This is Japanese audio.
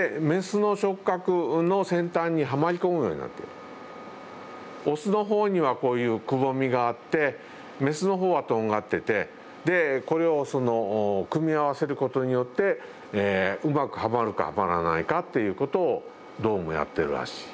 実はこれオスの方にはこういうくぼみがあってメスの方はとんがっててこれを組み合わせることによってうまくはまるかはまらないかっていうことをどうもやってるらしい。